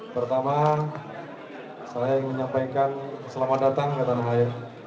pertama saya ingin menyampaikan selamat datang ke tanah air